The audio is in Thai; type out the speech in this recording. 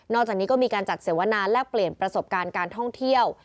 จากนี้ก็มีการจัดเสวนาแลกเปลี่ยนประสบการณ์การท่องเที่ยว